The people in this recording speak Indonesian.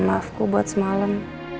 maafku buat semalam